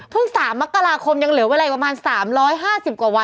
พึ่ง๓มกราคมยังเหลือเวลาอยู่ประมาณ๓๕๐กว่าวัน๖๐กว่าวัน